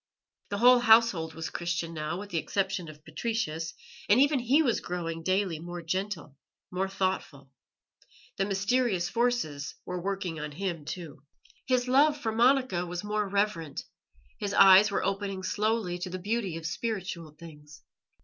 The whole household was Christian now, with the exception of Patricius, and even he was growing daily more gentle, more thoughtful; the mysterious forces were working on him too. His love for Monica was more reverent; his eyes were opening slowly to the beauty of spiritual things.